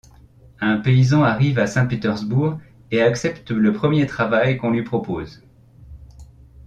Un paysan arrive à Saint-Pétersbourg et accepte le premier travail qu'on lui propose.